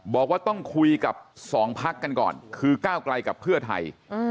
บอกว่าต้องคุยกับ๒พักกันก่อนคือก้าวไกลกับเพื่อไทย